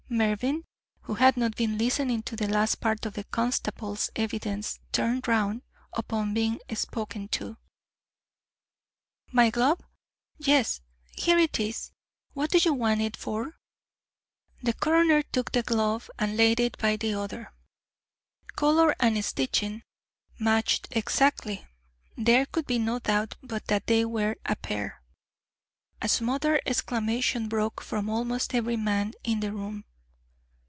Mervyn, who had not been listening to the last part of the constable's evidence, turned round upon being spoken to. "My glove, yes, here it is. What do you want it for?" The coroner took the glove and laid it by the other. Colour and stitching matched exactly; there could be no doubt but that they were a pair. A smothered exclamation broke from almost every man in the room.